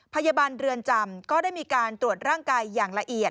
พยาบาลเรือนจำก็ได้มีการตรวจร่างกายอย่างละเอียด